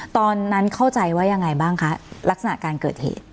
ตอนนั้นเข้าใจว่ายังไงบ้างคะลักษณะการเกิดเหตุ